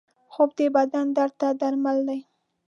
خوب د بدن درد ته درمل دی